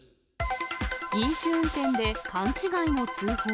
飲酒運転で勘違いの通報。